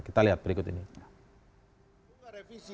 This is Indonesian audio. kita lihat berikut ini